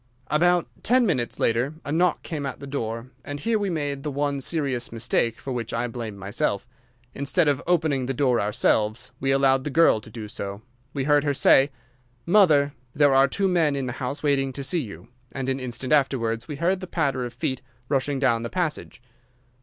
"About ten minutes later a knock came at the door, and here we made the one serious mistake for which I blame myself. Instead of opening the door ourselves, we allowed the girl to do so. We heard her say, 'Mother, there are two men in the house waiting to see you,' and an instant afterwards we heard the patter of feet rushing down the passage.